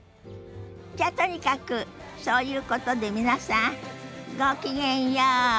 じゃとにかくそういうことで皆さんごきげんよう。